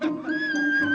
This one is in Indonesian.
akhirnya ketangkep juga